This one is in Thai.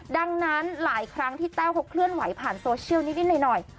ดังนั้นหลายครั้งที่แต้วเขาเคลื่อนไหวผ่านโซเชียลนิดหน่อย